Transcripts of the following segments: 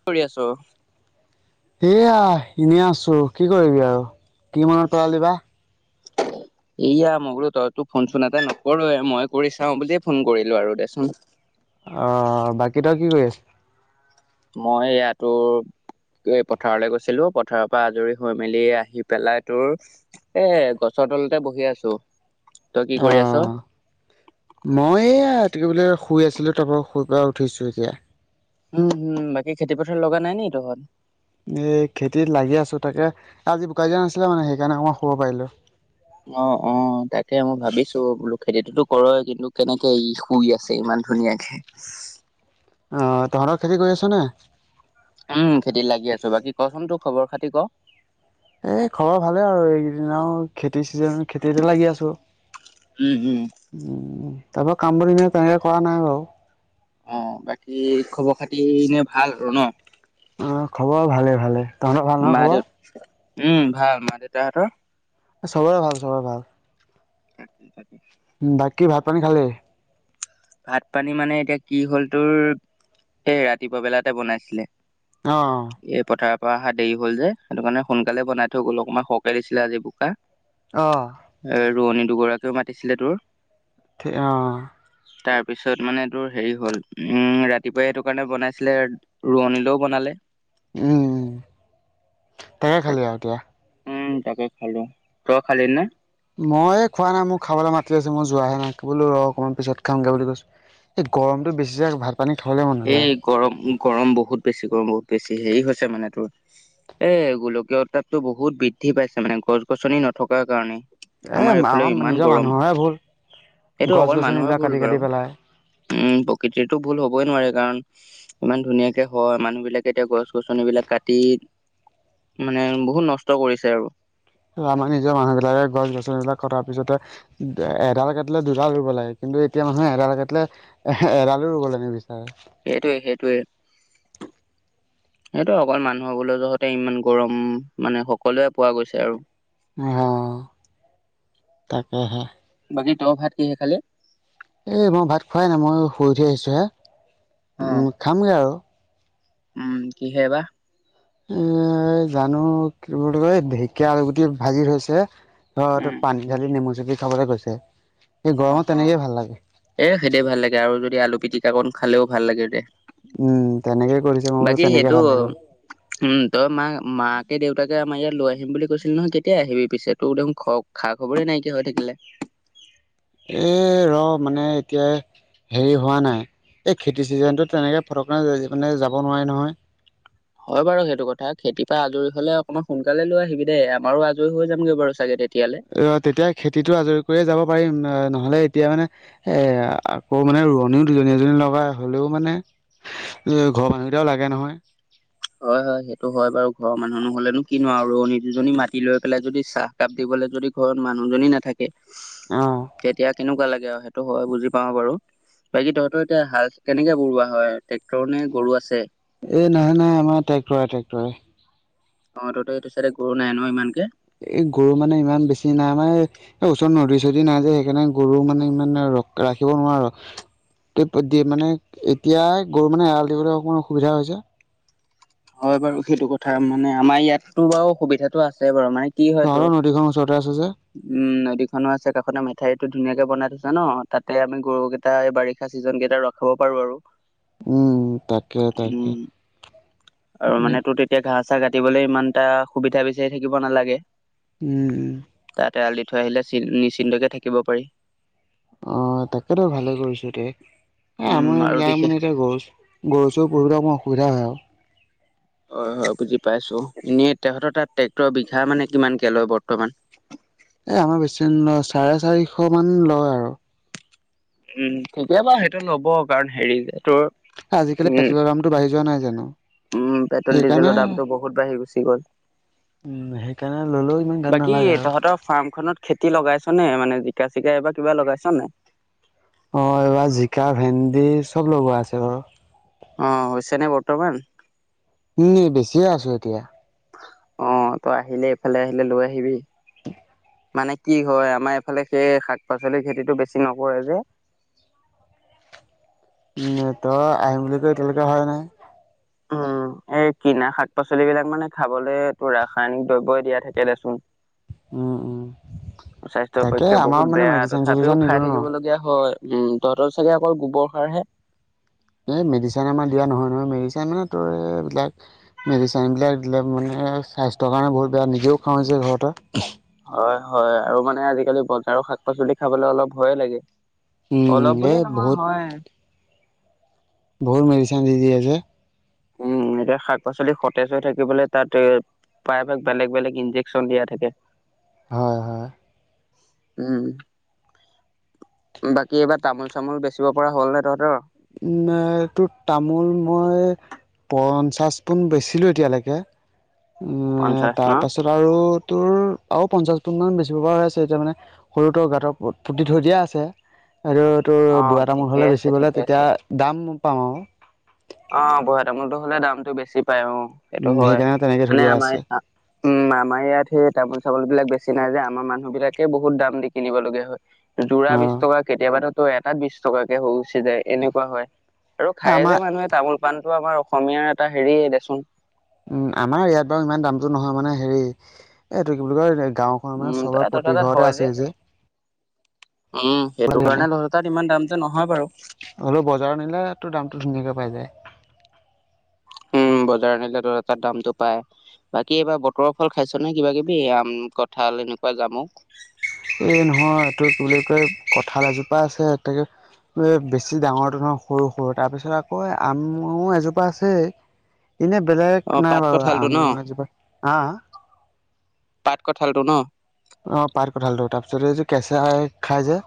কি কৰি আছ? এয়া এনে আছো, কি কৰিবি আৰু। কি মনত পেলালিবা? এইয়া মই বোলো তইতো ফোনচোন এটা নকৰহ, মই কৰি চাও বুলিয়ে ফোন কৰিলো আৰু দেচোন। অ' বাকী তই কি কৰি আছ? মই ইয়াতো তো এ পথাৰলৈ গৈছিলো, পথাৰৰ পৰা আজৰি হৈ মেলি আহি পেলাই তোৰ এ গছত চুতালতে বহি আছো। তই কি কৰি আছ? অ' মই এইয়া, কি বোলে কয় শুই আছিলোঁ, তাৰপৰা শুই উঠিছোঁ এতিয়া। উম হুম, বাকী খেতি পথাৰ লগা নাই নি তহঁত? এই খেতিত লাগি আছো তাকে, আজি বোকা দিয়া নাছিলে মানে সেইকাৰণে মই শুব পাৰিলো। অ'-অ' তাকে মই ভাবিছো বোলো, খেতিটোতো কৰয়ই কিন্তু কেনেকে ই শুই আছে ইমান ধুনীয়াকে। অ' তহঁতৰ খেতি কৰি আছ নে? উম খেতিত লাগি আছো। বাকী কচোন তোৰ খবৰ খাতি ক'? এ' খবৰ ভালে আৰু এইকেইদিন আৰু খেতিৰ চিজন খেতিতে লাগি আছো। উ'ম তাৰপৰা কামব এনে তেনেকে কৰা নাই বাৰু। অ' বাকী খবৰ খাতি এনে ভাল আৰু ন? অ' খবৰ ভালে ভালে। তহঁতৰ ভাল নহয় মা দেউ খবৰ? উম ভাল। মা দেউতাহতৰ? চবৰে ভাল, চবৰে ভাল। সি চাকি [unintelligible] বাকী ভাত পানী খালি? ভাত পানী মানে এতিয়া কি হ'ল তোৰ, এই ৰাতিপুৱা বেলাতে বনাইছিলে অ এই পথাৰ অহা দেৰি হল যে, সেইটো কাৰণে সোনকালে বন থৈ গ'ল, অকমান সহকে দিছিলে আজি বোকা। অ এ ৰোৱনী দুগৰাকীও মাতিছিলে তোৰ। থ অ, তাৰ পিছত মানে তোৰ হেৰি হ'ল। উম, ৰাতিপুৱাই সেইটো কাৰণে বনাইছিলে ৰোৱনীলও বনালে। উম, তাকে খালি আৰু এতিয়া। উম, তাকে খালো তই খালি নে? মই খোৱা নাই মোক খাবলৈ মাতি আছে। মই যোৱাহে নাই বোলো ৰ অকমান পিছত খামগৈ বুলি কৈছো। এই গৰমতটো বেছি যে ভাত পানী খাবলৈ মন নাযায়। এই গৰম গৰম বহুত বেছি গৰম বহুত বেছি। হেৰি হৈছে মানে তোৰ এ গোলকীয় উত্তাপটো বহুত বৃদ্ধি পাইছে মানে গছ গছনি নথকাৰ কাৰণে। এ আমাৰ এইফালে ইমান নিজৰ গৰম। মানুহৰে ভুল সেইটো গছ অকল মানুহৰ গছনিবিলাক ভুল কাটি বাৰু কাটি পেলাই। উম, প্ৰকৃতিৰতো ভুল হ'বই নোৱাৰে কাৰণ ইমান ধুনীয়াকে হয় মানুহ বিলাকে এতিয়া গছ গছন বিলাক কাটি মানে বহুত নষ্ট কৰিছে আৰু। আমাৰ নিজৰ মানুহ বিলাকে গছ গছন বিলাক কটাৰ পিছতে এডাল কাটিলে দুডাল ৰুব লাগে কিন্তু কিন্তু এতিয়া মানুহ এডাল কাটিলে এ এডালে ৰুব লাগে বেছি। সেইটোৱে - সেইটোৱে সেইটো অকল মানুহৰ বোলে যহতে ইমান গৰম মানে সকলোৱে পোৱা গৈছে আৰু অ, তাকেহে বাকী তহ ভাত কিহে খালি? এ মই ভাত খোৱাই নাই মই শুই উঠি আহিছো হে অ উম, খামগে আৰু। উম, কিহেই বা এ জানো কি বুলি কয় ঢেকীয়া আৰুল গুটি ভাগি থৈছে। অ, ত উম পানী ঢালি নেমু চেপি খাবলৈ গৈছে। অ, এ সেইদ ভাল লাগে আৰু যদি আলু পিটিকা কন খালেও ভাল লাগে দে। উম তেনেকে কৰিছে মই বোলো বাকী তেনেকে সেইটো ভাল লাগিব উম, তই মা মা ত দেউতাকে আমাৰ ইয়াত লৈ আহিম বুলি কৈছিল নহয় কেতিয়া আহিবি পিছে তোৰ দেখোন খা খবৰেই নাইকিয় হৈ থাকিলে। উ [unintelligible] এ ৰ মানে এতিয়া হেৰি হোৱা নাই এই খেতি চিজনটো তেনেকে ফ মে যাব নোৱি নহয়। হয় বাৰু সেইটো কথা খেতিৰ পৰা আজৰি হলে অকমান সোনকালে লৈ আহিবি দেই আমাৰো আজৰি হৈ যামগৈ বাৰু চাগে তেতিয়ালে অ, তেতিয়া খেতিতটো আজৰি কৰিয়ে যাব পাৰিম অ, নহ'লে এতিয়া মানে এ আকৌ মানে ৰোৱনীও দুজনী এজনী লগা হ'লেও মানে ঘৰৰ মানুহকেইটাও লাগে নহয়। হয় - হয় সেইটো হয় বাৰু ঘৰৰ মানুহ নোহলেনো কিনো ৰণী দুজনী মাতি লৈ পেলাই যদি চাহকাপ দিব। যদি ঘৰত মানুহজনী নাথাকে অ তেতিয়া কেনেকুৱা লাগে। সেইটো হয় বুজি পাও বাৰু। বাকী তহতৰ এতিয়া হাল কেনেকে বৰুোৱা হয় টেক্টৰ নে গৰু আছে। এ নাই - নাই আমাৰ ট্ৰেক্টৰে - ট্ৰেক্টৰে। অ, তো এইটো চাইে গৰু নাই ন ইমান কে। এই গৰু মানে ইমান বেছি নাই মানে ওচৰত নদী চদী নাই যোয় সেইকাৰণে গৰু মানে ইমান ৰাখিব নোৱাৰ। মানে এতিয়াই গৰু মানে এৰাল দিবলৈ অকমান অসুবিধা হৈছে। হয় বাৰু সেইটো কথা মানে আমাৰ ইয়াতো বাৰু অসুবিধাতটো আছে বাৰু মানে কি হয়তোৰ তহঁতৰ নদীখন ওচৰতে আছে যে উম, নদীখনো আছে কাষতে মেঠাইত টো ধুনীয়াকে বনাই থৈছে ন তাতে আমি গৰু কেইটা এই বাৰিষা চিজন কেইটা ৰখাব পাৰো আৰু উম, তাকে - তাকে। উম আৰু মানে তোৰ তেতিয়া ঘাহ চাহ কাটিবলৈ ইমান এটা সুবিধা বিচাৰি থাকিব নালাগে। উম, তেৰাল দি থৈ আহিলে নিশ্চিন্তকে থাকিব পাৰি। অহ, তাকেতো ভালে কৰিছো দে। এ উম আমাৰ আৰু এইবিলাক বিশেষ মানে এতিয়া গছ গছছ পবলৈ আমাৰ অসুবিধা হয় আৰু। হয় হয় বুজি পাইছো এনে তহঁতৰ তাত ট্ৰেক্টৰৰ বিঘা মানে কিমানকে লয় বৰ্তমান [inaudible] এ আমাৰ বেছি নলয় চাৰে চাৰিশ মান লয় আৰু উম কেতিয়াবা হেতু ল'ব কাৰণ হেৰি যে তোৰ আজিকালি উম পেটোলৰ দামটো বাঢ়ি যোৱা নাই জানো উম পেট্ৰল সেইকাৰণে ডিজেলৰ দামটো বহুত বাঢ়ি গুচি গ'ল উম সেইকাৰণে ললেও ইমান গাত বাকী নালাগে আৰু তহঁতৰ ফাৰ্মখনত খেতি লগাইছ নে মানে জিকা চিকা এইবা কিবা লগাইছন নাই অ', এইবাৰ জিকা ভেন্দি চব লব আছে বাৰু অ', হৈছেনে বৰ্তমান উম বেছিয়ে আছো এতিয়া অ' তই আহিলে এফালে আহিলে লৈ আহিবি মানে কি হয় আমাৰ এইফালে সেই শাক পাচলিৰ খেতিটো বেছি নকৰে যে [inaudible] উ ত আহিম বুলি কয় এতিয়ালেকে অহাই নাই উম এই কিনা শাক পাচলিবিলাক মানে খাবলৈটো ৰাসায়নিক দ্ৰব্যই দিয়া থাকে দেচোন উম উম স্বাস্থ্যৰ তাকে পক্ষে আমাৰ বহুত মানে বেয়া মেডিচিন তথাপিও চেডিচিন খাই নিদিওঁ ন থাকিবলগীয়া হয় উম তহঁতৰ চাগে অকল গোবৰ সাৰ হে এই মেডিচিন আমাৰ দিয়া নহয় নহয় মেডিচিন মানে ত এইবিলাক মেডিচেনবিলাক দিলে মানে স্বাস্থ্যৰ কাৰণে বহুত বেয়া নিজেও খাওঁ যে ঘৰতে হয় হয় আৰু মানে আজিকালি বজাৰৰ শাক পাচলি খাবলৈ অলপ ভয়ে লাগে উম অলপ এই বুলি নহয় হয় বহত মেডিচেন দি দিয়ে যে উম এতিয়া শাক পাচলি সতেজ হৈ থাকিবলৈ তাত প্ৰায়ভাক বেলেগ বেলেগ ইঞ্জেকচন দিয়া থাকে হয় হয় উম বাকী এইবাৰ তামোল চামোল বেচিব পৰা হ'ল নে তহঁতৰ নাই তোৰ তামোল মই পঞ্চাছ টন বেচিলোঁ এতিয়ালেকে উ পঞ্চাশ ন? তাৰ পাছত আৰু তোৰ ‌‌আউ পঞ্চাশ পুনমান বেচিব পৰা হৈ আছে, এতিয়া মানে সৰুতো গাঁতৰ পুতি থৈ দিয়া আছে। আৰু তোৰ অ' বুৱা তামোল ঠিকে হলে আছে বেছিবলে ঠিকে তেতিয়া আছে। দাম পাউ আউ অ', বুৱা তামোলটো হলে দামটো বেছি পাই অ', সেইটো উম হয় সেইকাৰণে তেনেকৈ থৈ মানে দিয়া আমাৰ আছে আ উম আমাৰ ইয়াত সে তামোল চামোল বিলাক বেছি নাই যে আমাৰ মানুহ বিলাকে বহুত দাম দি কিনিব লগীয়া হয় জোৰা বিশ অঁ টকা কেতিয়াবা ধৰ- ত এটাত বিশ টকাকে হৈ উচি যায় এনেকুৱা হয় আৰু খায়ে যে আমাৰ মানুহে পান টু আমাৰ অসমীয়াৰ এটা হেৰিয়ে দেচোন উম আমাৰ ইয়াত বাৰু ইমান দামতো নহয় মানে হেৰি এইটো কি বুলি কয় গাঁওখনৰ মানে উম, চবৰে তহঁতৰ প্ৰতি তাত ঘৰতে হয় আছে যে উম সেইটো কাৰণে তহতৰ তাত ইমান দামতো নহয় বাৰু হলেও বজাৰৰ নিলে তো দামটো ধুনীয়াকে পাই যায় [inaudible] বজাৰ নিলে তহতৰ তাত দামটো পাই বাকী এইবাৰ বতৰৰ ফল খাইছ নে কিবা কিবি আম কঁঠাল তেনেকুৱা যামো ত' কঁঠাল এজোপা আছে তাকে বেছি ডাঙৰটো নহয় সৰু সৰু তাৰপিছত আকৌ আমো এজোপা আছে এনে বেলেগ অ' নাই পাত বাৰু কঁঠালটো ন আমজোপা হা পাট কঠালটো ন অ' পাত কঠালটো তাৰপিছত এই যে কেঁচাই খাই যে।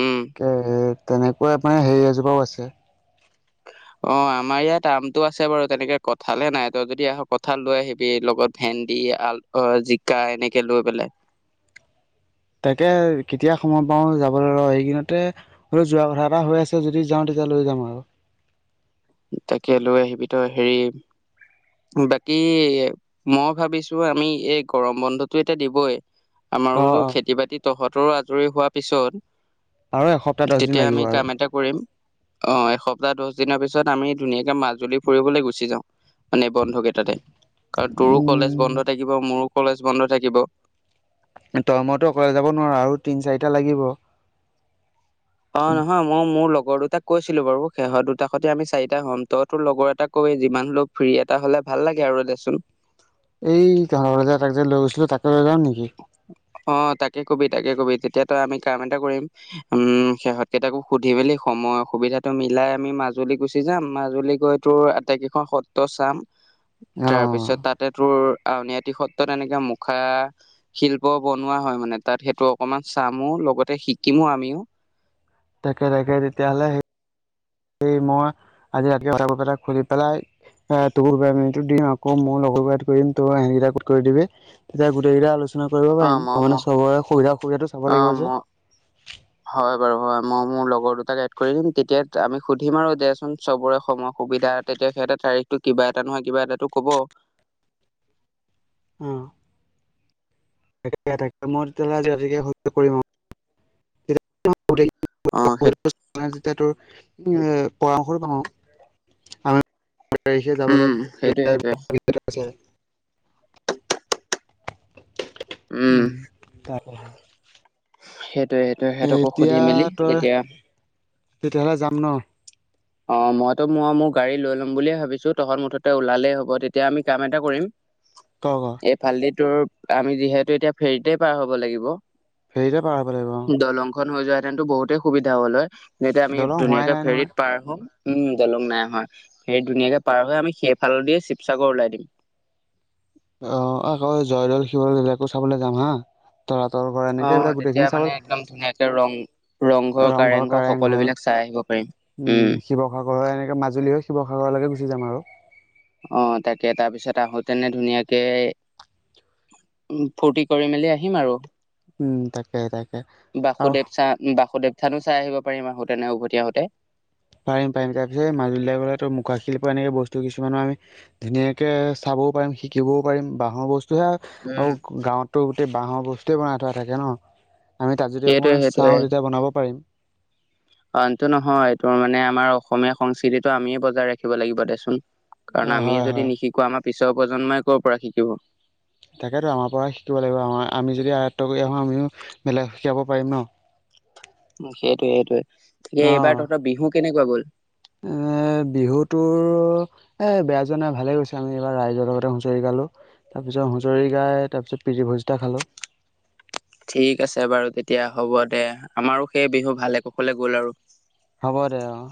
উম। কে তেনেকুৱাই মানে, হেৰি এজোপাও আছে। [inaudible] অ' আমাৰ ইয়াত আমটো আছে বাৰু তেনেকে কঁঠালহে নাই তই যদি আহ কঁঠাল লৈ আহিবি লগত ভেন্দি ই আল অ জিকা এনেকে লৈ পেলাই। তাকে কেতিয়া সময় পাও যাবলে ৰ এইকিনতে হ'লেও যোৱা কথা এটা হৈ আছে যদি যাওঁ তেতিয়া লৈ যাম আৰু। তাকে লৈ আহিবি তই হেৰি বাকী মই ভাবিছো, আমি এই গৰম বন্ধটো এতিয়া দিবই অ আমাৰো অ খেতি বাতি তহঁতৰো আজৰি হোৱা পিছত আৰু এসপ্তাহ দহ দিন তেতিয়া লাগিব আমি আৰু কাম এটা কৰিম। অ' এসপ্তাহ দছ দিনৰ পিছত আমি ধুনীয়াকে মাজুলী ফুৰিবলে গুচি যাওঁ। মানে বন্ধ কেইটাতে, কাৰণ তোৰো কলেজ বন্ধ উম থাকিব মোৰো কলেজ বন্ধ থাকিব। তই মইতো অকলে যাব নোৱাৰো আৰু তিন চাৰিটা লাগিব। অ' নহয় মই মোৰ লগ গৰ দুটাক কৈছিলো বাৰু, সেহত দুটা সতে আমি চাৰিটা হ'ম, তই তোৰ লগৰ এটাক কবি যিমান হ'লেও ফ্ৰী এটা হ'লে ভাল লাগে আৰু এ দেচোন। এই তহঁতৰ যে তাক যে [unintelligible] অ' তাকে কবি তাকে কবি তেতিয়া তই আমি কাম এটা কৰিম উম সেহত কেইটাকো সুধি মেলি সময় সুবিধাটো মিলাই আমি মাজুলী গুচি যাম মাজুলী গৈ তোৰ আটাইকেইখন সত্ৰ চাম। অ'। তাৰপিছত তাতে তোৰ আউনীআটি সত্ৰত এনেকে মুখা শিল প বনোৱা হয় মানে তাত সেইটো অকমান চামো লগতে শিকিমো আমিও। তাকে-তাকে তেতিয়াহ'লে সেই এই মই আজি ৰাতি [unintelligible] খুলি পেলাই এ [unintelligible] দিম আকৌ মোৰ লগৰক এড কৰিম তই সেহতকেইটাক [unintelligible] কৰি দিবি তেতিয়া গোটেই কেইটা আলোচ না কৰিব অ পাৰিম মই ম মানে চবৰে সুবিধা অসুবিধাটো চাব অ লাগিব ম যে। হয় বাৰু হয় মই মোৰ লগৰ দুটাক এড কৰি দিম তেতিয়া আমি সুধিম আৰু দেচোন চবৰে সময় সুবিধা তেতিয়া সিহঁতে তাৰিখটো কিবা এটা নহয় কিবা এটাটো ক'ব। উম। তাকে - তাকে মই তেতিয়াহ'লে [unintelligible] কৰিম আৰু [unintelligible] [unintelligible] অ সেই [unintelligible] তাৰিখে যাবলে উম সেইটোয়ে সেইটোয়ে [unintelligible] উম, তাকেহে। তে সেইটোৱে সিহঁতকো সুধি মেলি তই তেতিয়া তেতিয়াহ'লে যাম ন। অ' মইতো মই মোৰ গাড়ী লৈ ল'ম বুলিয়ে ভাবিছো তহত মুঠতে ওলালেই হ'ব তেতিয়া আমি কাম এটা কৰিম। তই ক? এই ফালদি টোৰ আমি যিহেতু এতিয়া ফেৰীতে পাৰ হ'ব লাগিব। ফেৰিতে পাৰ হ'ব লাগিব অ'। টো বহুতেই সুবিধা হ'ল হয় যেতিয়া আমি দলং হোৱাই ধুনীয়াকে নাই ফেৰিত নহয় উম দলং নাই হয়, হেৰি ধুনীয়াকে পাৰ হৈ আমি সেইফাল দিয়ে শিৱসাগৰ ওলাই দিম। [inaudible] অ' আকৌ জয়দৌল শিৱদ'লবিলাকো চাবলৈ যাম হা। তলা তল ঘৰ অ এনেকে এইবিলাক তেতিয়া গোটেইখিনি চাব মানে একদম ধুনীয়াকে ৰং ৰংঘৰ কাৰেংঘৰ কাৰেং ঘৰ সকলোবিলাক চাই আহিব পাৰিম উম, উম শিৱসাগৰ হৈ এনেকে মাজুলী হৈ শিৱসাগৰলেকে গুচি যাম আৰু। অ' তাকে তাৰপিছত আহোতেনে ধুনীয়াকে উম, ফূৰ্তি কৰি মেলি আহিম আৰু। উম তাকে তাকে আৰু বাসুদেৱ চা বাসুদেৱ থানো চাই আহিব পাৰিম, আহোঁতেনে উভতি আহোঁতে। পাৰিম পাৰিম তাৰপিছত মাজুলী গলে ত মুখাখিল পৰা এনেকে বস্তু কিছুমানো আমি ধুনীয়াকে চাব বও শিকিব পাৰিম বাঁহৰ বস্তু উম আৰু গাঁৱতো গোটেই বাঁহৰ বস্তুৱে বনাই থোৱা থাকে ন'। আমি তাত যদি সেইটোৱে অকণমান চাওঁ তেতিয়া বনাব পাৰিম। অটো নহয়টোৰ মানে আমাৰ অসমীয়া সংস্কৃতিতটো আমিয়ে বজাই ৰাখিব লাগিব দেচোন। কাৰণ অ', আমিয়ে হয় হয় যদি নিশিকোৱা আমাৰ পিছৰ প্ৰজন্মই ক'ৰ পৰা শিকিব। তাকেতো আমাৰ পৰা শিকিব লাগিব আমাৰ আমি যদি আয়ত্ব কৰি আহো আমিও বেলেগ শিকাব পাৰিম ন'। সেইটোৱে সেইটোৱে এ এইবাৰ তহঁতৰ বিহু কেনেকুৱা গ'ল? অ'। বিহুটোৰ এ বেয়া জাই ভালে গৈছে আমি এইবাৰ ৰাইজৰ লগতে হুঁচৰি গালো। তাৰ পিছত হুঁচৰি গাই তাৰ পিছত পিতি ভজিতা খালো। [inaudible] ঠিক আছে বাৰু তেতিয়া হ'ব দে আমাৰো সেই বিহু ভালে কুশলে গ'ল আৰু। হ'ব দে অ'।